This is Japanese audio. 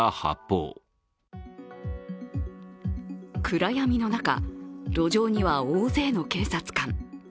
暗闇の中、路上には大勢の警察官。